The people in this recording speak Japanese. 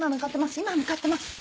今向かってます。